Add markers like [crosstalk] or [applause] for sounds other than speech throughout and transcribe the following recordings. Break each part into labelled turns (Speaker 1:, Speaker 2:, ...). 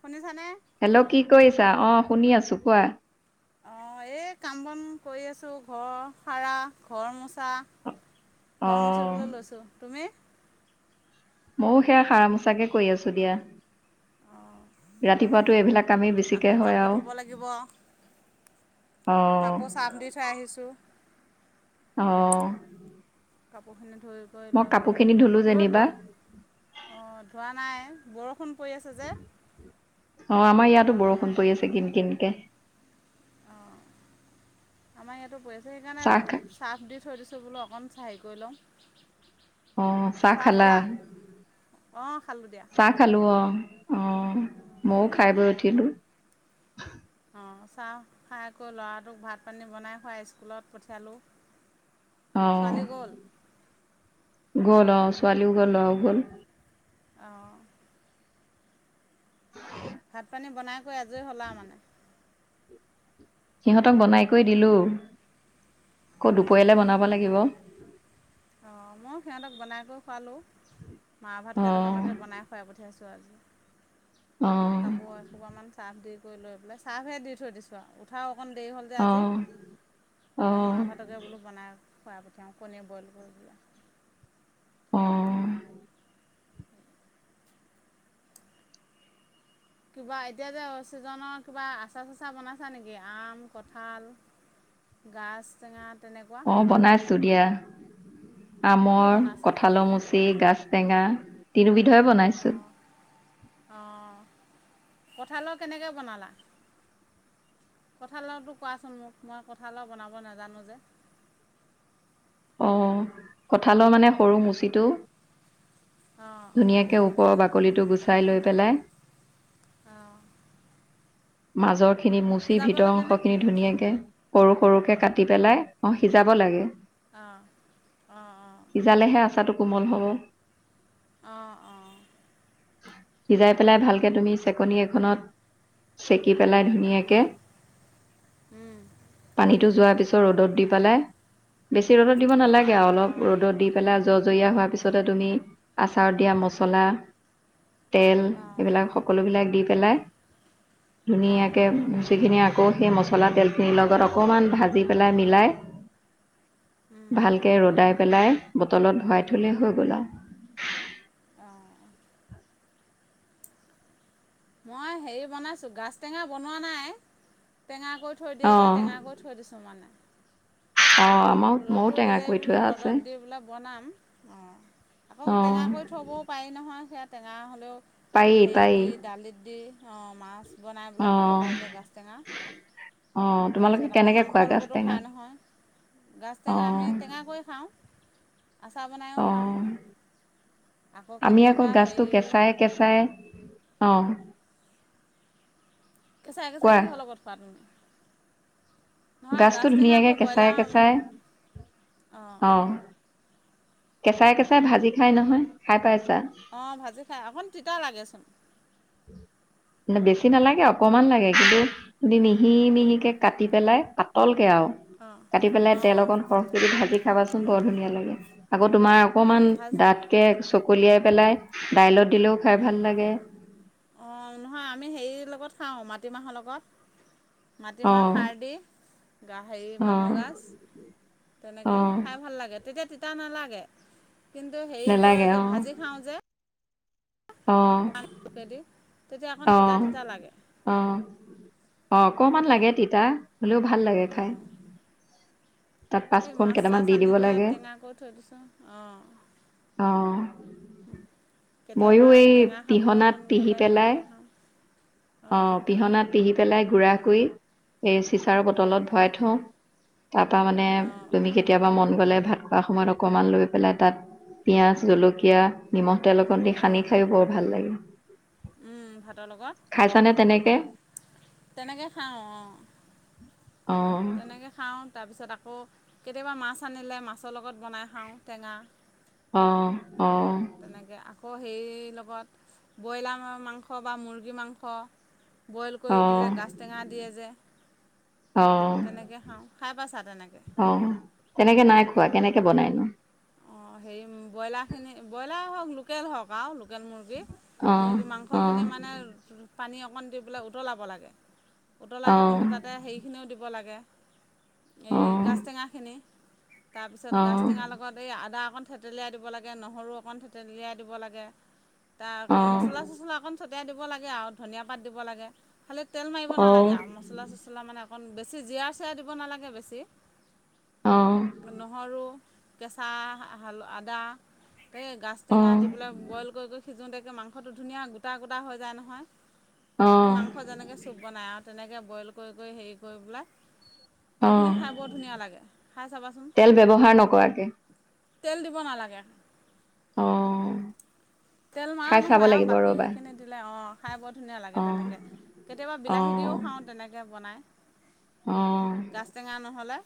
Speaker 1: শুনিছানে?
Speaker 2: হেল্ল' কি কৰিছা? অ শুনি আছো কোৱা।
Speaker 1: অঁ এই কাম বন কৰি আছোঁ ঘৰ সাৰা, ঘৰ মোচা। ঘৰ
Speaker 2: অ'
Speaker 1: মচিবলৈ লৈছো। তুমি?
Speaker 2: ময়ো সেয়া হাৰ মোচাকে কৰি আছো দিয়া। ৰাতিপুৱাতো এইবিলাক কামেই
Speaker 1: আকৌ
Speaker 2: বেছিকে হয়
Speaker 1: কাপোৰ
Speaker 2: আৰু।
Speaker 1: ধুব লাগিব
Speaker 2: অ'
Speaker 1: কাপোৰ ছাৰ্ফ দি থৈ আহিছো।
Speaker 2: অ
Speaker 1: কাপোৰখিনি ধুই কৰি
Speaker 2: মই
Speaker 1: লৈ
Speaker 2: কাপোৰ খিনি ধুলো
Speaker 1: পেলাই ৰ'দ
Speaker 2: যেনিবা।
Speaker 1: বহ অঁ ধোৱা নাই। বৰষুণ পৰি আছে যে
Speaker 2: অ আমাৰ ইয়াতো
Speaker 1: ধোৱাগৈ নাই
Speaker 2: বৰষুণ পৰি আছে কিন কিনকে।
Speaker 1: অঁ আমাৰ ইয়াতো পৰি আছে
Speaker 2: চাহ
Speaker 1: সেইকাৰণে
Speaker 2: খা
Speaker 1: চাৰ্ফ দি থৈ দিছোঁ বোলো অকণ চাহি কৰি লওঁ।
Speaker 2: অ চাহ খালা
Speaker 1: অঁ খালোঁ দিয়া
Speaker 2: চাহ খালো অ। অ মইও খাই বৈ উঠিলো।
Speaker 1: অঁ চাহ খাইকৈ ল'ৰাটোক ভাত পানী বনাই খোৱাই স্কুলত পঠিয়ালোঁ।
Speaker 2: অ'
Speaker 1: ছোৱালী গ'ল।
Speaker 2: গ'ল অ ছোৱালী উও গ'ল লৰা ও গ'ল।
Speaker 1: আহঁ ভাত পানী বনাই কৰি আজৰি হল আও মানে
Speaker 2: সিহঁতক বনাই কৰি দিলো আকৌ
Speaker 1: অঁ
Speaker 2: দুপৰীয়ালৈ বনাব লাগিব।
Speaker 1: অঁ মই সিহঁতক বনাই কৰি খোৱালোঁ মাহ ভাত
Speaker 2: অ'
Speaker 1: কেইটামানকে বনাই খুৱাই পঠিয়াইছোঁ। আ কাপোৰ
Speaker 2: অ'
Speaker 1: এসোপামান চাহফ দি কৰি লৈ পেলাই চাৰ্ফে দি থৈ দিছোঁ আৰু উঠাও। অকণ দেৰি হ'ল যে আজি মাহ
Speaker 2: অ'
Speaker 1: ভাতকে বোলো বনাই খুৱাই পঠিয়াওঁ কণীয়ে বইল কৰি। পেলাই
Speaker 2: অ
Speaker 1: কিবা এতিয়া যে ছিজনৰ কিবা আচা চাচা বনাইছা নেকি আম, কঁঠাল। গাছ টেঙাত।
Speaker 2: অ বনাইছো দিয়া।
Speaker 1: কি
Speaker 2: আমৰ
Speaker 1: বনাইছা
Speaker 2: কঠালৰ মুচি গাাজ টেঙা তিন বিধে বনাইছো।
Speaker 1: অঁ অঁ কঁঠালৰ কেনেকৈ বনালা। কঁঠালৰওতো কোৱাচোন মোক মই কঁঠালও বনাব নাজানো যে। [unintelligible]
Speaker 2: অ কঠালৰ মানে সৰু মুচিটো।
Speaker 1: অঁ
Speaker 2: ধুনীয়াকে ওপৰৰ বাকলিটো গুচাই লৈ পেলাই।
Speaker 1: আহঁ
Speaker 2: মাজৰ খিনি মুচি ভিতৰ
Speaker 1: লাগেনে
Speaker 2: অংশ খিনি ধুনীয়াকে সৰু সৰুকে কাটি পেলাই অ সিজাব লাগে।
Speaker 1: অঁ অঁ অঁ
Speaker 2: সিজালেহে আচাটো কোমল হব।
Speaker 1: অঁ অঁ
Speaker 2: সিজাই পেলাই ভালকে তুমি চেকনি এখনত চেকিব পেলাই ধুনীয়াকে
Speaker 1: উম উম
Speaker 2: পানীটো যোৱাৰ পিছত ৰদত দি পেলাই, বেছি ৰদত দিব নালাগে অলপ
Speaker 1: অঁ
Speaker 2: ৰদত দি পেলাই জজৰীয়া হোৱাৰ পিছতে তুমি আচাৰত দিয়া মছলা তেল
Speaker 1: অঁ
Speaker 2: এইবিলাক সকলো বিলাক দি পেলাই
Speaker 1: উম অঁ
Speaker 2: ধুনীয়াকে ভুচি খিনি আ আকৌ সেই মছলা তেলখিনিৰ লগত অকণমান ভাজি পেলাই মিলাই
Speaker 1: উম
Speaker 2: ভালকে ৰ'দাই পেলাই বটলত ধুৱাই থলে হৈ গ'ল আৰু
Speaker 1: অঁ মই হেৰি বনাইছোঁ গাজ টেঙা বনোৱা নাই টেঙাকৈ থৈ দিয়ে যে টেঙাকৈ থৈ দিছোঁ মানে
Speaker 2: অ
Speaker 1: ৰ'দটো দিলেই বোলো ৰ'দত দি বোলে বনাম। অঁ আকৌ
Speaker 2: অঁ
Speaker 1: টেঙা কৰি থবও পাৰি নহয় সেয়া টেঙা হলেও
Speaker 2: পাৰি
Speaker 1: হেৰিত
Speaker 2: পাৰি
Speaker 1: দি দালিত মাছ বনাই খাব পাৰি যে গাজ টেঙা।
Speaker 2: অ
Speaker 1: তাৰপিছত
Speaker 2: তোমালোকে
Speaker 1: আকৌ
Speaker 2: কেনেকে খোৱা
Speaker 1: মাংসৰ
Speaker 2: গাছ
Speaker 1: লগতো খাই
Speaker 2: টেঙা?
Speaker 1: নহয় গাজ টেঙা
Speaker 2: অঁ
Speaker 1: আমি টেঙাকৈ খাওঁ। আছা বনাইও খাওঁ।
Speaker 2: অঁ
Speaker 1: আকৌ
Speaker 2: আমি আকৌ
Speaker 1: কেতিয়াবা
Speaker 2: গাজটো
Speaker 1: হেৰি
Speaker 2: কেঁচাই কেঁচাই অহ
Speaker 1: কেঁচাই কেচাই কিহৰ লগত পাত নেকি
Speaker 2: গাজটো
Speaker 1: আকৌ
Speaker 2: ধুনীয়াকে কেঁচাই
Speaker 1: ব্ৰইলাৰ
Speaker 2: কেঁচাই
Speaker 1: অঁ
Speaker 2: অ কেঁচাই কেঁচাই ভাজি খাই নহয় খাই পাইছো।
Speaker 1: অ ভাজি খাই অকন তিতা লাগেচোন
Speaker 2: বেছি নালাগে অকমান লাগে। কিন্তু মিহি মিহিকে কাটি পেলাই পাতল কে আৰু
Speaker 1: অঁ
Speaker 2: কাটি পেলাই তেল
Speaker 1: অঁ
Speaker 2: অকন সৰহক ভাজি খাবাচোন বৰ ধুনীয়া লাগে। আকৌ তোমাৰ অকমান
Speaker 1: অঁ ভাজ
Speaker 2: দাতকে চকলিয়াই পেলাই দাইলত দিলেও খাই
Speaker 1: অ
Speaker 2: ভাল লাগে
Speaker 1: অ নহয় আমি হেৰি লগত খাওঁ মাটিমাহৰ লগত।
Speaker 2: অ
Speaker 1: মাটিমাহ খাৰ দি হেৰি
Speaker 2: অ
Speaker 1: বাঁহগাজ
Speaker 2: অ
Speaker 1: তেনেকে খাই ভাল লাগে। তেতিয়া তিতা নেলাগে কিন্তু হেৰি কৰে
Speaker 2: নেলাগে
Speaker 1: যে
Speaker 2: অ
Speaker 1: ভাজি খাওঁ যে
Speaker 2: অ
Speaker 1: দি তেতিয়া অকণ
Speaker 2: অ
Speaker 1: তিতা তিতা লাগে।
Speaker 2: অ অ অকমান লাগে তিতা হ'লেও ভাল লাগে খাই। তাত
Speaker 1: এই
Speaker 2: পাঁচফোৰণ
Speaker 1: মাছ
Speaker 2: কেইটামান
Speaker 1: চাছ
Speaker 2: দি দিব
Speaker 1: আনিলে
Speaker 2: লাগে
Speaker 1: টেঙা কৰি থৈ দিছোঁ। অ
Speaker 2: অহ।
Speaker 1: কেতিয়াবা টেঙা খাবলৈ মন
Speaker 2: পিহি
Speaker 1: গ'লে
Speaker 2: পেলাই
Speaker 1: তেনেকে খাওঁ।
Speaker 2: অ
Speaker 1: অঁ
Speaker 2: পিহনাত পিহি পেলাই গুড়াকুয়ি এই চিচাৰ
Speaker 1: অঁ
Speaker 2: বটলত ভৰাই থওঁ। তাপা মানে
Speaker 1: অঁ
Speaker 2: তুমি কেতিয়াবা মন গ'লে ভাত খোৱাৰ সময়ত অকমান লৈ পেলাই তাত পিঁয়াজ, জলকীয়া, নিমখ তেল অকন দি সানি খাইও বৰ ভাল লাগে।
Speaker 1: উম ভাত লগত।
Speaker 2: খাইছানে তেনেকে?
Speaker 1: তেনেকে খাওঁ অ
Speaker 2: অঁ
Speaker 1: তেনেকে খাওঁ তাপিছত আকৌ কেতিয়াবা মাছ আনিলে মাছৰ লগত বনাই খাওঁ টেঙা।
Speaker 2: অ
Speaker 1: তেনেকে আকৌ সেই লগত বইলা মাংস বা মুৰ্গী মাংস বয়েল কৰি দিলে গাজ টেঙা দিয়ে যে
Speaker 2: অঁ অঁ
Speaker 1: তেনেকে খাওঁ খাই পাইছা তেনেকে
Speaker 2: অঁ তেনেকে নাই কেনেকে বনাইনো
Speaker 1: অঁ হেৰি ব্ৰইলাখিনি ব্ৰইলা হওঁক লোকেল হওঁক আৱ লোকেল মুৰ্গী
Speaker 2: অঁ
Speaker 1: মুৰ্গী
Speaker 2: অঁ
Speaker 1: মাংসখিনি মানে পানী অকণ দি পেলাই উতলাব লাগে উতলাই
Speaker 2: অঁ
Speaker 1: থাকোঁতে তাতে হেৰিখিনিও দিব লাগে এই
Speaker 2: অঁ
Speaker 1: গাজ টেঙাখিনি তাপিছত গাজ
Speaker 2: অঁ
Speaker 1: টেঙা লগত এই আদা অকণ থেতেলিয়াই দিব লাগে নহৰু অকণ থেতেলিয়াই দিব লাগে তাৰ আকৌ
Speaker 2: অঁ
Speaker 1: মছলা চছলা অকণ ছটিয়াই দিব লাগে আৱ ধনিয়া পাত দিব লাগে খালী তেল মাৰিব
Speaker 2: অঁ
Speaker 1: নালাগে আৱ মছলা চছলা মানে অকণ বেছি জীৰা চিৰা দিব নালাগে বেছি
Speaker 2: অঁ অঁ
Speaker 1: নহৰু কেঁচা আদা এই গাজ টেঙা দি পেলাই বয়েল কৰি সিজোঁতে একে মাংসটো ধুনীয়া গোটা গোটা হৈ যায় নহয়
Speaker 2: অঁ
Speaker 1: এই মাংস যেনেকে চুপ বনায় আৱ তেনেকে বয়েল কৰি কৰি হেৰি কৰি পেলাই সেইখিনি
Speaker 2: অঁ
Speaker 1: খাই বৰ ধুনীয়া লাগে খাই চাবাচোন
Speaker 2: তেল ব্যৱহাৰ নকৰাকে
Speaker 1: তেল দিব নালাগে
Speaker 2: অ
Speaker 1: তেল মাৰা নহয় আৰু বাকী সেইখিনি দিলে অ খাই বৰ ধুনীয়া লাগে
Speaker 2: অঁ
Speaker 1: তেনেকে কেতিয়াবা বিলাহী
Speaker 2: অঁ
Speaker 1: দিও খাওঁ তেনেকে বনাই
Speaker 2: অঁ
Speaker 1: গাজ টেঙা নহ'লে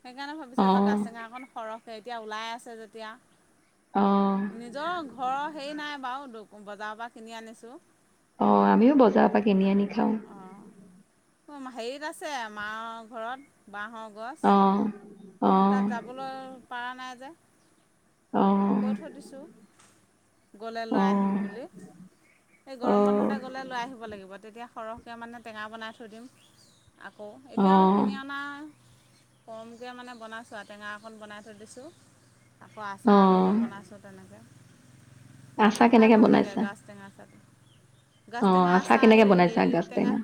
Speaker 1: সেইকাৰণে ভাবিছোঁ এইবাৰ
Speaker 2: অঁ
Speaker 1: গাজ টেঙা অকণ সৰহ কে এতিয়া ওলাই আছে
Speaker 2: অঁ
Speaker 1: যেতিয়া নিজৰ ঘৰৰ হেৰি নাই বাও বজাৰ পৰা কিনি আনিছোঁ
Speaker 2: অ আমিও বজাৰ পা কিনি আনি খাওঁ
Speaker 1: উম হেৰিত আছে মাৰ ঘৰত বাঁহৰ গছ
Speaker 2: অঁ
Speaker 1: কিন্তু
Speaker 2: অঁ
Speaker 1: তাত যাবলৈ পাৰা নাই যে
Speaker 2: অঁ
Speaker 1: কৈ থৈ দিছোঁ গ'লে লৈ আহিম বুলি এই
Speaker 2: অঁ
Speaker 1: গৰম
Speaker 2: অঁ
Speaker 1: বন্ধতে গ'লে লৈ আহিব লাগিব তেতিয়া সৰহকে মানে টেঙা বনাই থৈ দিম আকৌ এতিয়া
Speaker 2: অঁ
Speaker 1: কিনি অনা কমকে মানে বনাইছোঁ আৱ টেঙা অকণ বনাই থৈ দিছোঁ আকৌ আচা
Speaker 2: অঁ
Speaker 1: অকণো বনাইছোঁ তেনেকে
Speaker 2: আচাৰ
Speaker 1: খাই
Speaker 2: কেনেকৈ
Speaker 1: ভাল লাগে
Speaker 2: বনাইছা
Speaker 1: গাজ টেঙা আচা গাজ
Speaker 2: অঁ
Speaker 1: টেঙা আচাৰ
Speaker 2: কেনেকৈ
Speaker 1: এ
Speaker 2: বনাইছা
Speaker 1: হেৰি
Speaker 2: গাজ
Speaker 1: টেঙা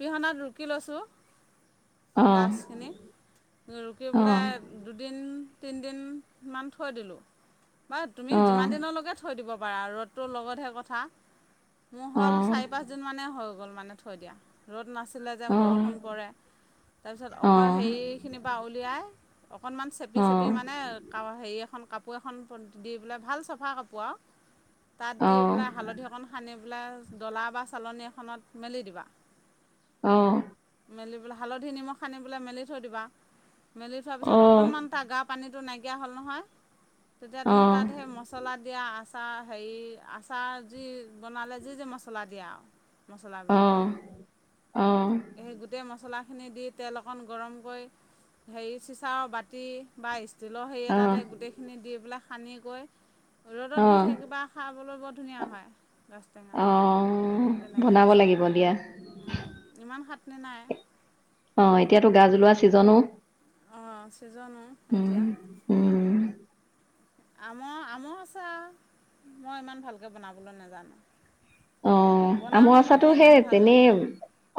Speaker 1: পিহনাত ৰুকি লৈছো
Speaker 2: অঁ
Speaker 1: গাজখিনি ৰুকি
Speaker 2: অঁ
Speaker 1: পেলাই দুদিন তিনিদিনমান থৈ দিলোঁ বাৰু তুমি যিমান
Speaker 2: অঁ
Speaker 1: দিনলৈকে থৈ দিব পাৰা ৰ'দটোৰ লগতহে কথা মোৰ হ'ল
Speaker 2: অঁ
Speaker 1: চাৰি পাঁচদিনমানে হৈ গ'ল মানে থৈ দিয়া ৰ'দ নাছিল লে যে
Speaker 2: অঁ
Speaker 1: বৰষুণ পৰে তাৰপিছত অকল
Speaker 2: অঁ
Speaker 1: হেৰিখিনিৰ পৰা উলিয়াই অকনমান চেপি চেপি
Speaker 2: অঁ
Speaker 1: মানে কা হেৰি এখন কাপ পোৰ এখন দি পেলাই ভাল চাফা কাপোৰ আও তাত
Speaker 2: অঁ অঁ অঁ অঁ
Speaker 1: দি পেলাই হালধি অকণ সানি পেলাই ডলা বা চালনী এখনত মেলি দিবা
Speaker 2: অহ
Speaker 1: মেলি পেলাই হালধি নিমখ সানি পেলাই মেলি থৈ দিবা মেলি থোৱাৰ পিছত
Speaker 2: অঁ
Speaker 1: অকণমান তাৰ গা পানী টো নাইকিয়া হ'ল নহয় তেতিয়া তুমি তাত সেই মছলা দিয়া আচাৰ হেৰি আচাৰ যি বনালে যি যি মছলা দিয়ে আও মচলা বিলাক
Speaker 2: অঁ
Speaker 1: সেই গোটেই মচলা খিনি দি তেল অকণ গৰম কৰি হেৰি চিচাও বাতি বা তিলৰ সেৰি
Speaker 2: অঁ
Speaker 1: এটাতে গোটেই বিলাক সানি কৈ ৰ'দত দি
Speaker 2: অঁ
Speaker 1: থাকিবা খাবলৈ বৰ ধুনীয়া হয় গাছ টেঙা
Speaker 2: অহ
Speaker 1: তেনেকৈ
Speaker 2: বনাব
Speaker 1: আচা
Speaker 2: লাগিব দিয়া
Speaker 1: ইমান খাটনি নাই
Speaker 2: অ এতিয়াতো গাজ ওলোৱা ছিজনো
Speaker 1: অ ছিজনো
Speaker 2: উম
Speaker 1: এতিয়া
Speaker 2: উম
Speaker 1: আমৰ আমৰ আচাৰ মই ইমান ভালকৈ বনাবলৈ নাজানো
Speaker 2: অ আমৰ
Speaker 1: বনাওঁ মানে
Speaker 2: আচাটো
Speaker 1: ইমান
Speaker 2: সেই
Speaker 1: ভাল
Speaker 2: তেনেই
Speaker 1: নহয়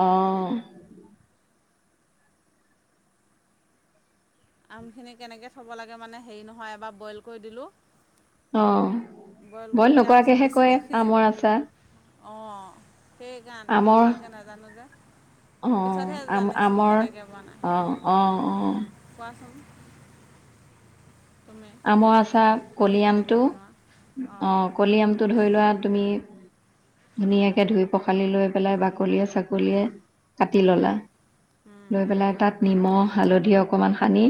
Speaker 2: অ
Speaker 1: আমখিনি কেনেকে থ'ব লাগে মানে হেৰি নহয় এবাৰ বইল কৰি দিলোঁ
Speaker 2: অ
Speaker 1: কৰি
Speaker 2: বইল
Speaker 1: দিয়াৰ
Speaker 2: নকৰাকেহে কয় আমৰ আচাৰ
Speaker 1: অ সেইকাৰণে মই
Speaker 2: আমৰ
Speaker 1: ভালকে নাজানো যে
Speaker 2: অ
Speaker 1: পিছতহে
Speaker 2: আম
Speaker 1: জানিছোঁ
Speaker 2: আমৰ
Speaker 1: কেনেকৈ বনায়
Speaker 2: অ অ অ
Speaker 1: কোৱাচোন তুমি
Speaker 2: আমৰ আচাৰ
Speaker 1: তুমি কেনেকৈ
Speaker 2: কলিআমটো
Speaker 1: বনোৱা
Speaker 2: অ
Speaker 1: অঁ
Speaker 2: কলি আমটো ধৰি লোৱা তুমি ধুনীয়াকে ধুই পখালি লৈ পেলাই বাকলিয়ে ছাকলীয়ে কাটি ললা লৈ পেলাই তাত নিমখ হালধি অকমান সানি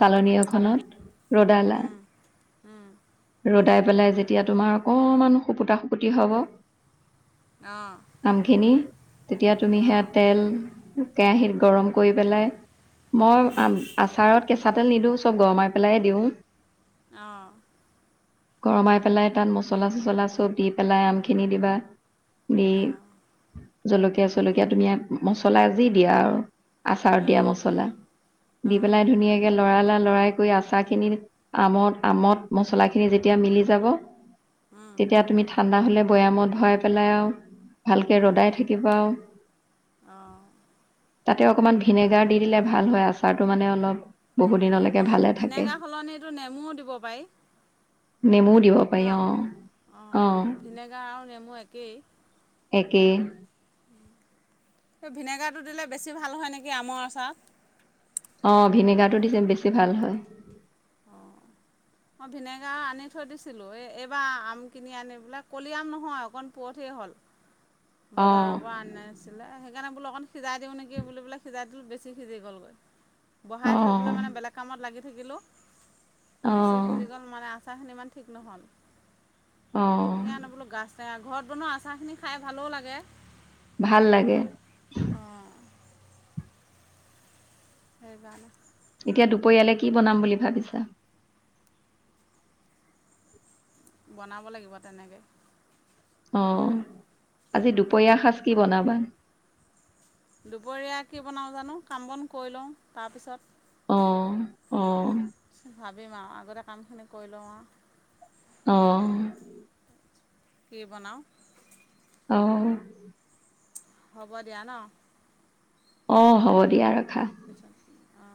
Speaker 2: চালনী এখনত ৰদালা ৰদাই পেলাই যেতিয়া তোমাৰ অকনমান শুপুতা শুপুটি হ'ব
Speaker 1: অঁ
Speaker 2: আমখিনি তেতিয়া তুমি সেয়া তেল কেৰাহিত গৰম কৰি পেলাই মই
Speaker 1: অঁ
Speaker 2: আচাৰত কেঁচা তেল নিদিওঁ চব গৰমাই পেলাই দিও
Speaker 1: অ
Speaker 2: গৰমাই পেলাই তাত মছলা চছলা চব দি পেলাই আমখিনি দিবা দি
Speaker 1: অঁ
Speaker 2: জলকীয়া চলকীয়া তুমি মচলা যি দিয়া আৰু আচাৰত দিয়া
Speaker 1: অঁ
Speaker 2: মছলা দি
Speaker 1: অঁ
Speaker 2: পেলাই ধুনীয়াকে লৰাই লৰা লৰাই কৰি আচাৰ খিনি আমত আমত মছলা খিনি যেতিয়া মিলি যাব
Speaker 1: উম
Speaker 2: তেতিয়া তুমি ঠাণ্ডা হলে বৈয়ামত ভৰাই পেলাই আও ভালকে
Speaker 1: উম
Speaker 2: ৰদাই থাকিবা
Speaker 1: অঁ
Speaker 2: তাতে অকণমান ভিনেগাৰ দি দিলে ভাল হয় আচাৰটো মানে অলপ বহুত দিনলৈকে
Speaker 1: ভেকুৰ
Speaker 2: ভালে
Speaker 1: নুঠে
Speaker 2: থাকে
Speaker 1: ভিনেগাৰ সলনিটো নেমুও দিব পাৰি
Speaker 2: নেমুও দিব পাৰি
Speaker 1: ন
Speaker 2: অঁ
Speaker 1: অ
Speaker 2: অঁ
Speaker 1: ভিনেগাৰ আৰু নেমু একেই
Speaker 2: একেই
Speaker 1: এই ভিনেগাৰটো দিলে বেছি ভাল হয় নেকি আমৰ আচাৰত
Speaker 2: অ ভিনেগাৰটো দিছে বেছি ভাল হয়
Speaker 1: অঁ [unintelligible] অ ভিনেগাৰ আনি থৈ দিছিলো এই এইবাৰ আম কিনি আনি পোলে কলি আম নহয় অকন পো কে হ'ল
Speaker 2: অঁ
Speaker 1: বজাৰৰ পৰা আনিছিলে সেইকাৰণে বো অকণ সিজাই দিওঁ নেকি বুলি বোলে সিজাই দিল বেছি সিজি গলগৈ বাহাই
Speaker 2: অঁ
Speaker 1: থৈবলৈ মানে বেলেগ কামত লাগি থাকিলো বেছি
Speaker 2: অঁ
Speaker 1: সিজি গ'ল মানে আচাৰখিনি ইমান ঠিক নহ'ল
Speaker 2: অঁ
Speaker 1: ধুনীয়া নবোলো গাজ টেঙা ঘৰত বনোৱা আচাৰখিনি খাই ভালেও লাগে
Speaker 2: ভাল লাগে
Speaker 1: অ সেই কাৰনে
Speaker 2: এতিয়া দুপৰীয়ালে কি বনাম বুলি ভাবিছা
Speaker 1: বনাব লাগিব তেনেকে
Speaker 2: অ আজি দুপৰীয়া সজ কি বনাবা
Speaker 1: দুপৰীয়া কি বনাও জানো কাম বন কৰি লওঁ তাৰপিছত
Speaker 2: অ অ
Speaker 1: ভাবিম আৰু আগতে কামখিনি কৰি লওঁ আৰু
Speaker 2: অ
Speaker 1: কি বনাওঁ
Speaker 2: আহ
Speaker 1: হ'ব দিয়া ন
Speaker 2: অ হ'ব দিয়া ৰাখা
Speaker 1: পিছত অ